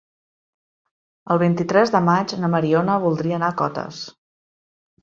El vint-i-tres de maig na Mariona voldria anar a Cotes.